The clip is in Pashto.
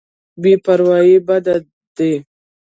بې پروايي بد دی.